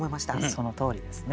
そのとおりですね。